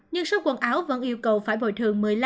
nhưng số quần áo vẫn yêu cầu phải bồi thường một mươi năm